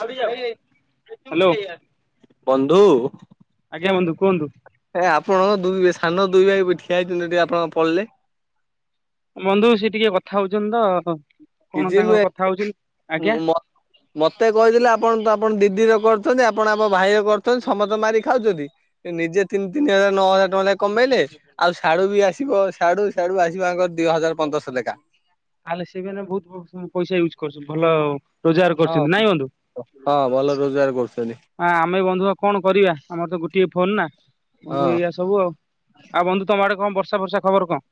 Hello ବନ୍ଧୁ ଆଜ୍ଞା ବନ୍ଧୁ କୁହନ୍ତୁ ହେ ଆପଣ ଦୁଇ ବେ ସାନ ଦୁଇ ଭାଇ ଠିଆ ହେଇଥିଲ ଆପଣ ପଳେଇଲେ। ବନ୍ଧୁ ସିଏ ଟିକେ କଥା ହଉଛନ୍ତି ତ କଣ କିଛି ତାଙ୍କର ନୁହେଁ କଥା ହଉଛନ୍ତି ଆଜ୍ଞା [unintelligible] ମତେ କହି ଥିଲେ ଆପଣ ତ ଆପଣ ଦି ଦିର କରୁଚ୍ଛନ୍ତି ଆପଣ ଆମ୍ ଭାଇ ର କରୁଚ୍ଛନ୍ତି ସମତର ମାରିକି ଖାଉଛନ୍ତି ନିଜେ ତିନି ତିନି ହଜାର ନଅ ହଜାର ଟଙ୍କା ଲେଖେ କମେଇଲେ। ଆଉ ସାଢୁ ବି ଆସିବ ସାଢୁ ସାଢୁ ଆସିବ ଦି ହଜାର ପନ୍ଦରଶ ଲେଖା। ତା ହେଲେ ସେ ବି ଏଇନା ବହୁତ୍ ପ ପଇସା ୟୁଜ୍ କରୁଛନ୍ତି ଭଲ। ରୋଜଗାର ହ କରୁଛନ୍ତି ନାଇଁ ବନ୍ଧୁ ହ ଭଲ ରୋଜଗାର କରୁଛନ୍ତି। ହଁ ଆମେ ବନ୍ଧୁ ଆ କଣ କରିବା ଆମର ତ ଗୋଟିଏ ଫୋନ୍ ନା ହଁ। ଏଇଆ ସବୁ ଆଉ। ଆଉ ବନ୍ଧୁ ତମ ଆଡ଼େ କଣ ବର୍ଷା ଫର୍ଷା ଖବର୍ କଣ?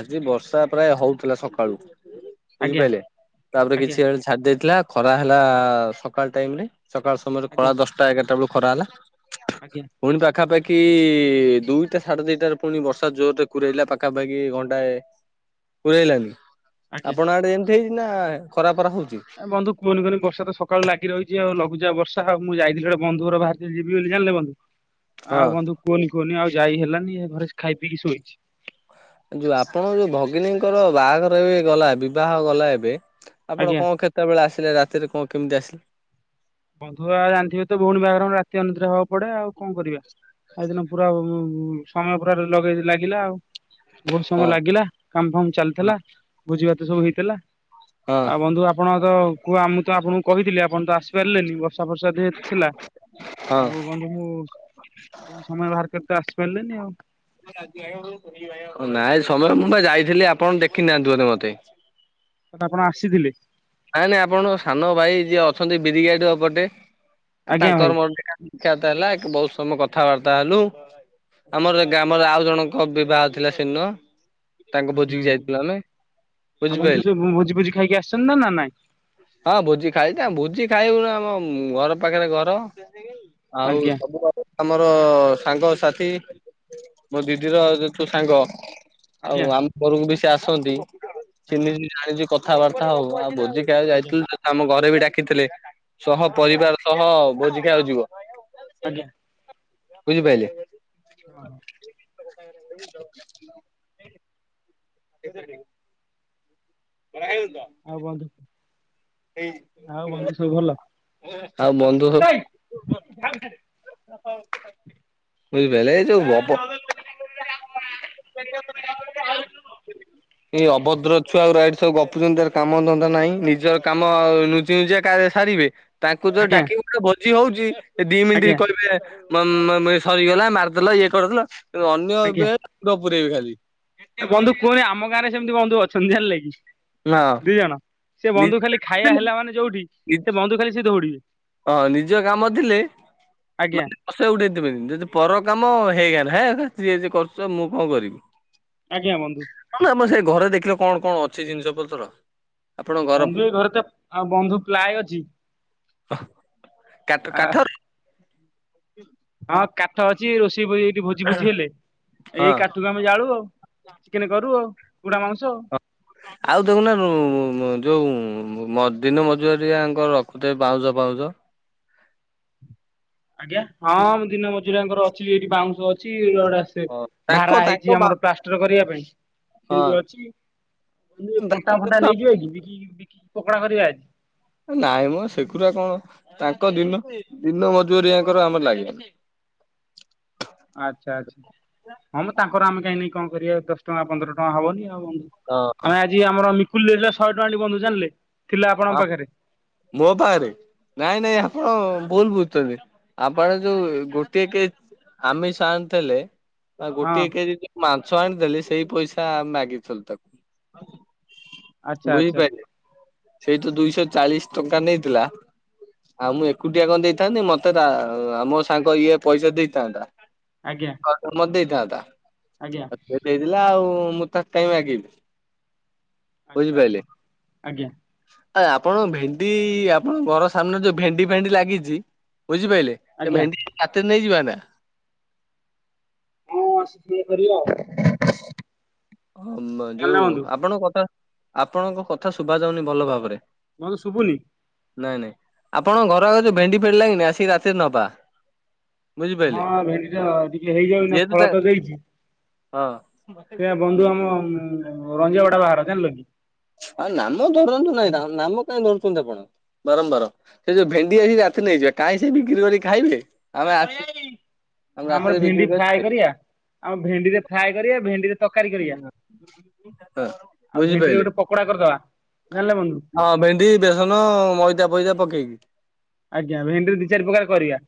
ଆଜି ବର୍ଷା ପ୍ରାୟ ହଉଥିଲା ସକାଳୁ ଆଜ୍ଞା ବୁଝିପାଇଲେ ତାପରେ ଆଜ୍ଞା କିଛି ଛାଡି ଜାଇଥିଲା ଖରା ହେଲା ସକାଳ ଟାଇମ ରେ ସକାଳ ସମୟରେ ଆଜ୍ଞା ଖଳା ଦଶଟା ଏଗାରଟା ବେଳ ଖରା ହେଲା। ଆଜ୍ଞା ପୁଣି ପଖା ପାଖି ଦୁଇଟା ସାଡ଼େ ଦୁଇଟାରେ ପୁଣି ବର୍ଷା ପୁଣି ବର୍ଷା ଜୋରରେ କୁରେଇଲା ପଖା ପା ଦି ଘଣ୍ଟାଏ [unintelligible] ଆଜ୍ଞା ଆପଣ ଆଡେ ଏଇନା ଖରା ପରା ହୋଉଛି। ଆ ବନ୍ଧୁ କୁହନି କୁହନି ବର୍ଷା ତ ସକାଳୁ ଲାଗି ରହିଛି ଆଉ ଲଘୁ ଚାପ୍ ବର୍ଷା ମୁ ଜାଇଥିଲି ବନ୍ଧୁ ଘର ବାହାରୀ ଥିଲି ଜିବି ବୋଲି ଜାନିଲେ ବନ୍ଧୁ ହଁ ଆଉ ବନ୍ଧୁ କୁହନି କୁହନି ଆଉ ଯାଇ ହେଲାନି ଏ ଘରେ ଖାଇ ପିଇକି ସୋଇଛି। ଯୋଉ ଆପଣ ଯୋଉ ଭଗିନିଙ୍କର ବାଘର ଏବେ ଗଲା ବିବାହ ଗଲା ଏବେ ଆପଣ ଆଜ୍ଞା କଣ କେତେବେଳେ ଆସିଲେ ରାତିରେ କଣ କେମିତି ଆସିଲେ? ବନ୍ଧୁ ଆ ଜାଣିଥିବେ ତ ଭଉଣି ବାହାଘର ମାନେ ରାତି ଅନିଦ୍ରା ହବାକୁ ପଡ଼େ ଆଉ କଣ କରିବା। [unintelligible] ବହୁତ ସମୟ ହଁ ଲାଗିଲା କାମ ଫାମ ଚାଲିଥିଲା ଭୋଜି ଭାତ ସବୁ ହେଇଥିଲା। ହଁ ଆଉ ବନ୍ଧୁ ଆପଣ ତ ମୁତ ଆପଣଙ୍କୁ କହିଥିଲି ଆପଣ ତ ଆସିପାରିଲେନି ବର୍ଷା ଫର୍ଷା ଦିହେତ ଥିଲା ଆଉ ବନ୍ଧୁଙ୍କୁ କଣ ସମୟ ବାହାର କରି ତ ଆସିପାରିଲେନି ନାଇଁ ସମ୍‌ୟ ମୁ ପା ଜାଇଥିଲି ଆପଣ ଦେଖି ନାହାନ୍ତି ବୋଧେ ମୋତେ। ଆପଣ ଆସିଥିଲେ। ନାଇଁ ନାଇଁ ଆପଣଙ୍କ ସାନ ଭାଇ ଯିଏ ଅଛନ୍ତି ବିରି ଗାଡୁଅ ବଡେ ଆଜ୍ଞା ଭାଇ। ତାଙ୍କାର ମୋର ଗଲା ବହୁତ୍ ସମୟ କଥା ବାର୍ତ୍ତା ହେଲୁ। ଆମର ଗ୍ରାମର ଆଉ ଜଣ ବିବାହ ଥିଲା ସେଦିନ। ତାଙ୍କ ଆଜ୍ଞା ଭୋଜିିକି ଯାଇଥିଲୁ ଆମେ ଆଜ୍ଞା ବୁଝିପାରିଲେ ଆପଣ ଭୋଜି ଫୋଜି ଖାଇକି ଆସିଛନ୍ତି ନା ନାଇଁ ହଁ ଭୋଜି ଖାଇଦା ଭୋଜି ଖାଇବୁନା ଆମ ଉମ ଘର ପାଖରେ ଘର। ଆଉ ଆଜ୍ଞା ସବୁ [unintelligible] ତମର ସାଙ୍ଗ ସାଥୀ ମୋ ଦିଦିର ଯୋଥୁ ସାଙ୍ଗ ଆଜ୍ଞା। ଆଉ ଆମ ଘରକୁ ବି ସେ ଆସନ୍ତି ଆଜ୍ଞା ଚିହ୍ନି ଲି [unintelligible] କଥାବାର୍ତ୍ତା ହଉ ଆ ଭୋଜି ଖାଇ ଯାଇ ଆଜ୍ଞା ଆତ୍ ଆମ ଘରେ ବି ଡାକିଥିଲେ ସହ ପରିବାର ସହ ଭୋଜି ଖାଉ ଯିବ। ଆଜ୍ଞା। ବୁଝି ପାଇଲି? ଅ। ଲୋକ ସାଙ୍ଗରେ ହେଇ ଯ [unintelligible] [unintelligible] ଆଉ ବନ୍ଧୁ ଆଉ ବନ୍ଧୁ ସବୁ ଭଲ? ଆଉ ବୁଇପାଇଲେ ଏଯୋଉ ଅବ ଏ ଅଭଦ୍ର ଛୁଆଗୁରା ଏଠି ସବୁ ଗପୁଚନ୍ତି ତାର କାମ ଧନ୍ଦା ନାଇ ନିଜର କାମ ଲୁଚି ନୁଚି କା ସାରିବେ ତାଙ୍କୁ ଯୋଉ ଆଜ୍ଞା ଡାକିବୁ [unintelligible] ଭୋଜି ହଉଚି ଏ ଦି ଆଜ୍ଞା ମିନିଟ କଇବେ ମଁ ମଁ ମଁଏ ସରିଗଲା ମାରିଦେଲ ଇଏ କରିଦେଲ ଅନ୍ୟ ଏବେ ଗପୁରବେ ଖାଲି। ଏ ବନ୍ଧୁ କୁହନି ଆମ ଗାଁରେ ସେମତି ବନ୍ଧୁ ଅଛନ୍ତି ଜାଣିଲେ କି? ହଁ ଦି ଜଣ ସେ ନିଜ ବନ୍ଧୁ ଖାଲି ଖାଇବା ହେଲା ମାନେ ଯୋଉଠି ସେ ବନ୍ଧୁ ଖାଲି ସେ ଦଉଡିବେ। ଅ ନିଜ କାମ ଥିଲେ ଆଜ୍ଞା ମାନେ ହସେ ଉଡେଇଦେବେନି ଯଦି ପର କାମ ହେଇଗାଲ ହେଁ ଯିଏ ଯେ କରୁଚ ମୁଁ କଁ କରିବି। ଆଜ୍ଞା ବନ୍ଧୁ। ଆମ ଆମ ସେଇ ଘରେ ଦେଖିଲେ କଣ କଣ ଅଛି ଜିନିଷ ପତ୍ର? ଆପଣଙ୍କ ଘର ବନ୍ଧୁ ଏଇ ଘରେ ତ ଆ ବନ୍ଧୁ ପ୍ଲ୍ୟାଏ ଅଛି। ଓଃ କାଟ ଆ କାଠ ହଁ କାଠ ଅଛି ରୋଷେଇ [unintelligible] ଜି ଭୋଜି ଫୋଜି ହେଲେ ହଁ। ଏଇ କାଠରୁ ଆମେ ଜାଳୁ ଆଉ ଚିକେନ କରୁ ଆଉ ପୁଡା ମାଉଁସ। କୁରା ଆଉ ଜୋଉନ ରୁ ରୁ ମୁଁ ଯୋଉ ମୁଁ-ମୁଁ-ମୁଁ ମ ଦିନ ମଜୁଆରିଆଙ୍କ ରଖୁଥେ ବାଉଁଶ ପାଉସ ହଁ ମୁଁ ଦିନ ମଜୁରିଆଙ୍କର ଅଛି ଏଇଠି ବାଉଁଶ ଛି ରଡ ଆସେ ହଁ ତାଙ୍କ ଭାରା ହେଇଛି ତାଙ୍କ ବା ଆମର ପ୍ଲାଷ୍ଟର କରିବା ପାଇଁ ସେ ବି ହଁ ଅଛି ମୁଁ କଣ୍ଟା ଫଣ୍ଟା ତାଙ୍କ ନେଇଯିବେ କି ବିକି ବିକି ପକଡା କରିବା ଆଜି? ନାଇଁ ମ ସେଗୁରା କଣ ତାଙ୍କ ଦିନ କୁ ଦିନ ମଜୁରିଆଙ୍କର ଆମ ଲାଇ ଆଛା ଆଚ୍ ହଁମ ତାଙ୍କର ଆମେ କାହିଁ ନେଇ କଁ କରିବା ଦଶ ଟଙ୍କା ପନ୍ଦର ଟଙ୍କା ହବନି ଆଉ। ଆ ହଁ ଆଜି ଆମର ମିକୁଲ ଦେଇଲ ଶହେ ଟଙ୍କାଟି ବନ୍ଧୁ ଜାନଲେ ଥିଲା ଆପଣଙ୍କ ପାଖରେ। ମୋ ପାରେ? ନାଇଁ ନାଇଁ ଆପଣ ଭୁଲ ବୁଝଚନ୍ତି ଆପଣ ଯୋଉ ଗୋଟେ କେଚ୍ ଆମେ ସାନ ଥିଲେ ଅ ହଁ ଗୋଟିଏ କେରି ମାଛ ଆଣିଦେଲେ ସେଇ ପଇସା ମାଗିଥିଲୁ ତାକୁ। ଆଚା ଆଚା। ବୁଝିପାରିଲେ। ସେଇ ତ ଦୁଇଶହ ଚାଳିଶ ଟଙ୍କା ନେଇଥିଲା ଆଉ ମୁଁ ଏକୁଟିଆ କଁ ଦେଇଥାନ୍ତି ମତେ ତା ଆମ ସାଙ୍ଗ ଇଏ ପଇସା ଦେଇଥାନ୍ତା। ଆଜ୍ଞା। ମ ଦେଇଥାନ୍ତା ଆଜ୍ଞା ସେ ଦେଇଥିଲା ଆଉ ମୁଁ ତାକ କାଇ ମାଗିଲି। ଆଛା ଆଛା ଆଜ୍ଞା। ଆଏ ଆପଣ ଭେଣ୍ଡି ଆପଣଙ୍କ ଘର ସାମ୍ନାରେ ଯୋଉ ଭେଣ୍ଡି ଫେଣ୍ଡି ଲାଗିଚି ବୁଝିପାଇଲେ? ଏ ଆଜ୍ଞା ଭେଣ୍ଡି ସାଥି ନେଇଯିବା ନା? ହଁ ଆସିଲେ କରିବା ଆଉ। ହମ ଜାଣିଲ ଯୋଉ ବନ୍ଧୁ ଆପଣଙ୍କ କଥା ଆପଣଙ୍କ କଥା ଶୁଭା ଯାଉନି ଭଲ ଭାବରେ। ଭଲ ଶୁଭୁନି। ନାଇଁ ନାଇଁ ଆପଣଙ୍କ ଘର ଆଗରେ ଯୋଉ ଭେଣ୍ଡି ଫେଣ୍ଡି ଲଗିନେଇ ଆସିକି ରାତିରେ ନବା। ବୁଝିପାଇଲେ ହଁ ଭେଣ୍ଡି ଟା ଟିକେ ହେଇଯାଉ ନା ଯେହେତୁ ତା ଫଳ ତ ଦେଇଛି। ହଁ। ସେ ବନ୍ଧୁ ଆମ ରଞ୍ଜ ବାଡା ବାହାର ଜାଣିଲ କି? ଆ ନାମ ଧରନ୍ତୁ ନାଇଁ ତାଙ୍କର ନାମ କାହିଁ ଧରୁଛନ୍ତି ଆପଣ ବାରମ୍ବାର। ସେ ଯୋଉ ଭେଣ୍ଡି ଆଇ ରାତିରେ ନେଇଯିବା କାଇହିଁ ସେ ବିକ୍ରି କରି ଖାଇବେ ଆମେ ଆସ ଆମର ଭେଣ୍ଡି ଫ୍ରାଏ କରିବା ଆମ ଭେଣ୍ଡିରେ ଫ୍ରାଏ କରିବା ଭେଣ୍ଡିରେ ତରକାରୀ କରିବା ଆଉ ଭେଣ୍ଡିରେ ବୁଝିପାରିଲେ ଗୋଟେ ପକୋଡ଼ା କରିଦବା ଜାଣିଲେ ବନ୍ଧୁ। ହଁ ଭେଣ୍ଡି ବେସନ ମଇଦା ଫଇଦା ପକେଇକି। ଆଜ୍ଞା ଭେଣ୍ଡିରେ ଦି ଚାରି ପ୍ରକାର କରିବା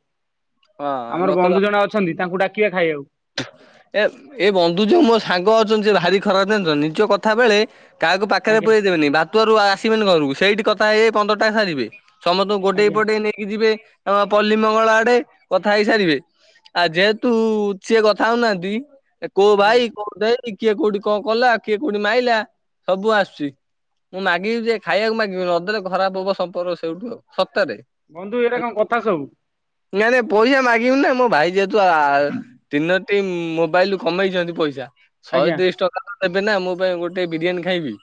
ହଁ ଆମର ବନ୍ଧୁ ଜଣେ ଅଛନ୍ତି ତାଙ୍କୁ ଡ଼ାକିବା ଖାଇବାକୁ। ଥୁଁଉ ଏ ବନ୍ଧୁ ଯୋଉ ମୋ ସାଙ୍ଗ ଅଛନ୍ତି ସେ ଭାରି ଖରାପ୍‌ ଜାଣିଛ ନିଜ କଥା ବେଳେ କାହାକୁ ପାଖରେ ଆଜ୍ଞା ପୁରେଇ ଦେବେନି ବାତୁ ଆରୁ ଆସିବନି ଘରକୁ ସେଇଠି କଥା ହେଇ ହେଇ ପନ୍ଦର ଟା ସାରିବେ। ସମସ୍ତଙ୍କୁ ଗୋଟେଇ ଆଜ୍ଞା ପଟେଇ ନେଇକି ଯିବେ ପଲ୍ଲୀ ମଙ୍ଗଳା ଆଡ଼େ। କଥା ହେଇ ସାରିବେ ଆଉ ଯେହେତୁ ସିଏ କଥା ହଉନାହାନ୍ତି କୋଉ ଆଜ୍ଞା ଭାଇ କୋଉ ଦେଇ କିଏ କୋଉଠି କଣ କଲା କିଏ କୋଉଠି ମାଇଁଲା ସବୁ ଆସୁଛି। ମୁଁ ମାଗିବି ଯେ ଖାଇବାକୁ ମାଗି ବିନି ନ ଦେଲେ ଖରାପ ହବ ସମ୍ପର୍କ ସେଇଠୁ ଆଉ ସତରେ ବନ୍ଧୁ ଏଇଟା କଣ କଥା ସବୁ? ନାଇଁ ନାଇଁ ପଇସା ମାଗିବୁନା ମୋଭାଇ ଯେହେତୁ ଆ ତିନୋଟି ମୋବାଇଲରୁ କମେଇଛନ୍ତି ପଇସା। ଶହେ ଆଜ୍ଞା ତିରିଶ ଟଙ୍କା ଦେବେ ନା ମୋ ପାଇଁ ଗୋଟେ ବିରିୟାନୀ ଖାଇବି।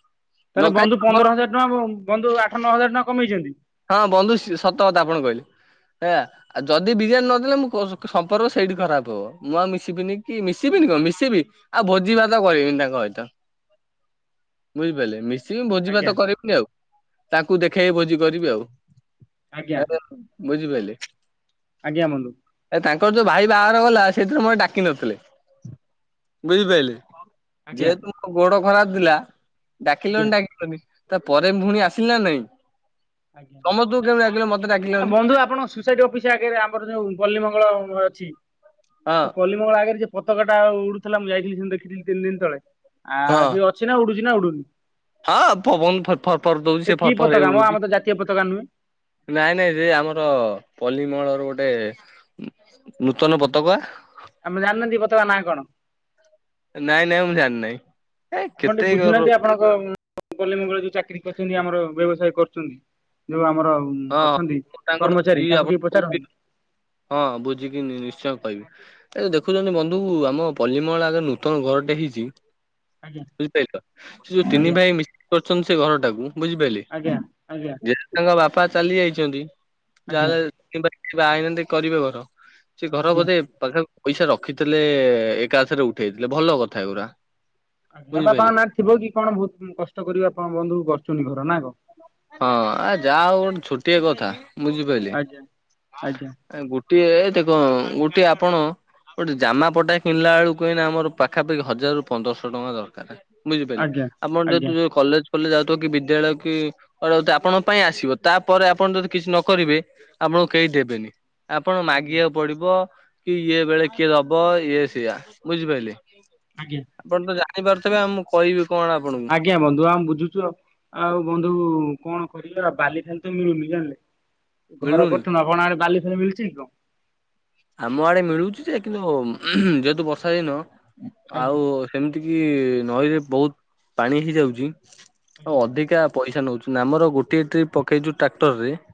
ନ ତାହେଲେ ଖାଇ ବନ୍ଧୁ ପନ୍ଦର ହଜାର୍‌ ଟଙ୍କା ବନ୍ଧୁ ଆଠ ନଅ ହଜାର ଟଙ୍କା କମେଇଛନ୍ତି। ହଁ ବନ୍ଧୁ ସତ କଥା ଆପଣ କହିଲେ ଏୟା। ଆଉ ଯଦି ବିରିୟାନି ନ ଦେଲେ ମୋ ସମ୍ପର୍କ ସେଇଠି ଖରାପ ହବ ମୁଁ ଆଉ ମିଶିବିନି କି ମିଶିବିନି କଣ ମିଶିବି। ଆଉ ଭୋଜି ଭାତ କରିବିନି ତାଙ୍କ ସହିତ ବୁଝିପାରିଲେ। ମିଶିବି ଭୋଜି ଆଜ୍ଞା ଭାତ କରିବିନି ଆଉ ତାଙ୍କୁ ଦେଖେଇ ଭୋଜି କରିବି ଆଉ। ଆଜ୍ଞା ବୁଝିପାଇଲେ କି? ଆଜ୍ଞା ବନ୍ଧୁ। ଏ ତାଙ୍କର ଯୋଉ ଭାଇ ବାହାଘର ଗଲା ସେଥିରେ ମତେ ଡ଼ାକି ନଥିଲେ ବୁଝିପାରିଲେ। ଆଜ୍ଞା ଯେହେତୁ ମୋ ଗୋଡ଼ ଖରାପ ଥିଲା ଆଜ୍ଞା ଡ଼ାକିଲନି ଡ଼ାକିଲନି। ତା ପରେବି ପୁଣି ଆସିଲି ନା ନାହିଁ। ଆଜ୍ଞା ମତେ ଆ ଡାକିଲନି। ବନ୍ଧୁ ଆପଣ ସେଠୁ ଅଫିସ୍‌ଆଗରେ ଆମର ଯୋଉ ପଲ୍ଲୀ ମଙ୍ଗଳା ଅଛି। ହଁ ଆଗରେ ସେ ପତକା ଟା ଉଡୁଥିଲା ମୁଁ ଯାଇଥିଲି ସେ ଦେଖିଥିଲି ତିନି ଦିନ ତଳେ ହଁ ଆଉ ସେଇଟା ଉଡ଼ୁଛି ନା ଉଡୁନି। ହଁ ପବନ ଫର୍ ଫର୍ ଦୋଉଛି ସେ କି ଫର ଫର ପତାକା ହେଇକି ମ ଆମର ଉଡୁଛି। ତ ଜାତୀୟ ପତାକା ନୁହଁ। ନାଇଁ ନାଇଁ ରେ ଆମର ପଲ୍ଲିମଙ୍ଗଳ ର ଗୋଟେ ନୂତନ ପତକା। ଆମେ ଜାଣିନାହାନ୍ତି ପତକା ନାଁ କଣ? ନାଇଁ ନାଇଁ ମୁଁ ଜାଣିି ନାହିଁ ଏ କେତେ ଗର ତ ପଲ୍ଲୀ ମଙ୍ଗଳାରେ ଯୋଉ ଚାକିରି କରିଛନ୍ତି ଆମର ବ୍ୟବସାୟ କରୁଛନ୍ତି। ଯୋଉ ଆମର ଅଛନ୍ତି ତାଙ୍କଠୁ କର୍ମଚାରୀ ବୁଝିକି ତାଙ୍କୁ ଆପଣ ଟିକେ ପଚାର। ହଁ ବୁଝିକି ନିଶ୍ଚୟ କହିବି। ଏ ଦେଖୁଛନ୍ତି ବନ୍ଧୁ ଆମ ପଲ୍ଲିମଙ୍ଗଳାରେ ନୂତନ ଘରଟେ ହେଇଛି। ଆଜ୍ଞା ବୁଝିପାଇଲ ସେ ଯୋଉ ତିନି ଆଜ୍ଞା ଭାଇ ମିଶିକି କରି ଛନ୍ତି ସେ ଘର ଟାକୁ ବୁଝିପାରିଲେ। ଆଜ୍ଞା ଆଜ୍ଞା। ଯେହେତୁ ତାଙ୍କ ବାପା ଚାଲି ଯାଇଛନ୍ତି ଆଜ୍ଞା ଯାହାହେଲେ କେହି ବହାହେଇନାହାନ୍ତି କରିବେ ଘର। ସେ ଘର ଆଜ୍ଞା ବୋଧେ ପାଖାପାଖି ପଇସା ରଖିଥିଲେ ଏକାଥରେ ଉଠେଇଥିଲେ ଭଲ କଥା ଏଗୁରା। ଇୟା ବୁଝିପାରିଲେ ବାପାଙ୍କ ନାଁରେ ଥିବ କି କଣ ବହୁତ କଷ୍ଟ କରିବା ଆପଣ ବନ୍ଧୁ କରୁଛନ୍ତି ଘର ନା କଣ? ହଁ ଆ ଯା ହଉ ଗୋଟେ ଛୋଟିଆ କଥା ବୁଝିପାରିଲେ। ଆଜ୍ଞା ଆଜ୍ଞା ଟିଏ ଟେକ ଗୋଟେ ଆପଣ। ଗୋଟେ ଜାମା ପଟା କିଣିଲା ବଲକୁ ଏଇନା ଆମ ପାଖପାଖି ହଜାରୁ-ପନ୍ଦର୍‌ ଶହ ଟଙ୍କା ଦରକାର। ବୁଝିପାରିଲେ ଆଜ୍ଞା ଆପଣ ଯେହେ ତୁ ଆଜ୍ଞା କଲେଜ୍‌ ପଲେଜ୍‌ ଯାଉଥିବେ କି ଦେଳ କି ଆପଣଙ୍କ ପାଇଁ ଆସିବ ତାପରେ ଆପଣ ଯଦି କିଛି ନ କରିବେ। ଆପଣଙ୍କୁ କେହି ଦେବେନି ଆପଣ ଆଜ୍ଞା ମାଗିବାକୁ ପଡ଼ିବ। କି ଇଏ ବେଳେ କିଏ ଦବ ଇଏ ସେଇଆ। ବୁଝିପାରିଲି? ଆଜ୍ଞା। ଆପଣ ତ ଜାଣିପାରୁଥିବେ ଆଉ ମୁଁ କହିବି କଣ ଆପଣଙ୍କୁ। ଆଜ୍ଞା ବନ୍ଧୁ ଆମ ବୁଝୁଛୁ ଆଉ ବନ୍ଧୁ କଣ? କରିବାର ବାଲିଫାଲି ତ ମିଳୁନି ଜାଣିଲେ ଘର ମିଳୁନି। ଫର ନବନା ଆଣେ ବାଲି ଫାଲି ମିଳୁଛି କଣ? ଆମ ଆଡେ ମିଳୁଛି ଯେ କିନ୍ତୁ ଯେହେତୁ ବର୍ଷା ଦିନ। ଆଜ୍ଞା ଆଉ ସେମିତିକି ନଈରେ ବହୁତ ପାଣି ହେଇଯାଉଛି ଆଉ ଆଜ୍ଞା ଅଧିକା। ପଇସା ନାଉଛୁ ନା ଆମର ଗୋଟିଏ ଟ୍ରିପ ପକେଇଛୁ ଟ୍ରାକ୍ଟର ରେ ପ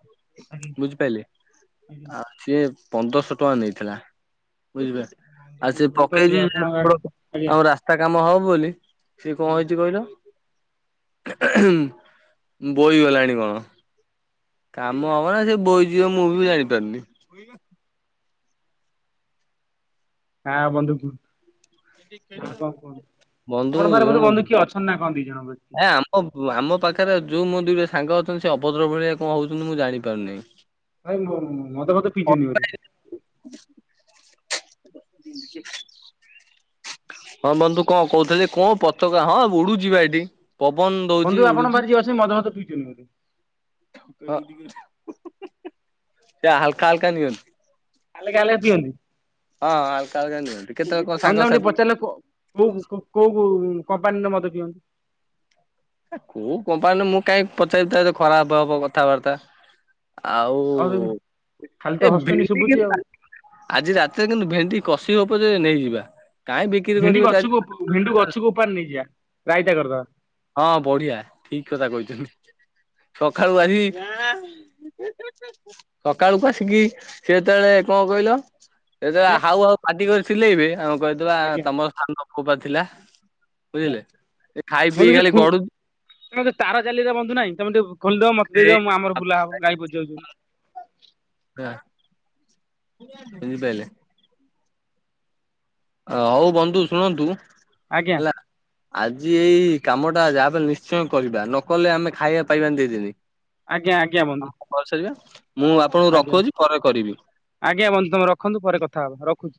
ଆଜ୍ଞା ବୁଝିପାରିଲି ଆଜ୍ଞା ଆ ସିଏ ପନ୍ଦର୍-ଶହ ଟଙ୍କା ନେଇଥିଲା। ବୁଝିପାରିଲ? ବନ୍ଧୁ ଆଉ ସେ ଭଲ ତ ଅଛି ପକେଇଛି ଆମ ଆପଣଙ୍କ ଆଜ୍ଞା ରାସ୍ ରାସ୍ତା କାମ ହବ ବୋଲି। ସିଏ କଣ ଆଜ୍ଞା ହେଇଛି କହିଲ? ବୋଇ ଗଲାଣି କଣ। କାମ ହବ ନା ସିଏ ବୋଇ ଯିବ ମୁଁ ବି ଜାଣିପାରୁନି। ବହିଲ ହାଁ ବନ୍ଧୁ କୁହ। ଆଉ କଣ କୁହନ୍ତୁ? ବନ୍ଧୁ ଆପଣଙ୍କ ପାଖରେ ବୋଧେ ବନ୍ଧୁ କିଏ ଅଛନ୍ତି ନା କଣ ଦି ଜଣ ବୋ ହ ଆମ ପାଖରେ ଯୋଉ ମୋ ଦୁଇଟା ସାଙ୍ଗ ଅଛନ୍ତି ସେ ଅଭଦ୍ର ଭଳିଆ କଣ ହଉଛନ୍ତି ମୁଁ ଜାଣିପାରୁନାହିଁ। ନାଇଁ ମଦ ଫଦ ପିଇଛନ୍ତି ବୋଧେ। [unintelligible] ହଁ ବନ୍ଧୁ କଣ କହୁଥିଲେ କଣ ପତକା ହଁ ଉଡୁ ଯିବା ଏଇଠି। ପବନ ଦଉଛି ବନ୍ଧୁ ଆପଣଙ୍କ ଉଡୁଛି। ପାଖରେ ଯିଏ ଅଛନ୍ତି ମଦ ଫଦ ପିଇଛନ୍ତି ବୋଧେ ହଁ ହାଲକା ହାଲକା ନିଅନ୍ତି। ହାଲେକା ହାଲେକା ପିଅନ୍ତି? ହଁ ହାଲକା ହାଲକା ନିଅନ୍ତି। କେତେବେଳେ କଣ ହଁ ବନ୍ଧୁ ତାଙ୍କୁ ଟିକେ ସାଙ୍ଗସାଥି ପଚାରିଲ କୋଉ କୋଉ କମ୍ପାନୀର ମଦ ପିଅନ୍ତି। କୋଉ କମ୍ପାନୀରେ ମୁଁ କାଇହିଁ ପଚାରିବି ଖରାପ ହବ କଥାବାର୍ତ୍ତା। ଆଉ ଖାଲି ତ ଏ ହସୁଛନ୍ତି ଭେଣ୍ଡି ଶୁଭୁଛି କେମ୍ ଆଉ ଆଜି ରାତିରେ କିନ୍ତୁ ଭେଣ୍ଡି କଷି ହଉ ପଛେ ନେଇଯିବା। କାହିଁ ବିକ୍ରି ଭେଣ୍ଡି କରିବେ ଚାରି ଗଛକୁ ଭେଣ୍ଡୁ ଗଛକୁ ଉପରି ନେଇଯିବା ରାଇତା କରିଦବା। ହଁ ବଢିଆ ଠିକ କଥା କହିଥିଲୁ। ସକାଳୁ ଆଜି ସକାଳକୁ ଆସିକି ସେଏ ଯେତେବେଳେ କଣ କହିଲ? ସେ ଯେତେବେଳେ ଆଜ୍ଞା ହାଉ ହାଉ ପାଟି କରି ଚିଲେଇବେ ଆମ କହିଥିବା ଆଜ୍ଞା ତମ ସାନ ପୁଅ ପା ଥିଲା। ଆଜ୍ଞା ବୁଝିଲେ ଏ ଖାଇ ପିଇ ବନ୍ଧୁ ସେ ଖାଲି ଖୁ ଗଡୁଛି ତାର ଜାଲି ବନ୍ଧୁ ନାଇଁ ତମେ ଟିକେ ଖୋଲିଦ ମତ ଦେଇଦବ ମୁଁ ଆମର ବୁଲା ହବ ଗାଈ ପଶିଯାଉଛି। ହଁ ବୁଝିପାଇଲେ? ହଉ ବନ୍ଧୁ ଶୁଣନ୍ତୁ ଆଜ୍ଞା ହେଲା। ଆଜି ଏଇ କାମଟା ଯାହାବି ହେଲେ ନିଶ୍ଚୟ କରିବା ନକଲେ, ଆମେ ଖାଇବାକୁ ପାଇବାନି ଦି ଦିନି। ଆଜ୍ଞା ଆଜ୍ଞା ବନ୍ଧୁ। କରିସାରିବା ମୁଁ ଆପଣଙ୍କୁ ଆଜ୍ଞା ରଖୁଛି ପରେ କରିବି। ଆଜ୍ଞା ବନ୍ଧୁ ତମେ ରଖନ୍ତୁ ପରେ କଥା ହବା ରଖୁ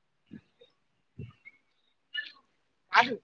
[unintelligible] ଆଉ [inaudible]